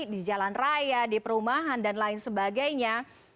di jalan raya di perumahan dan lain sebagainya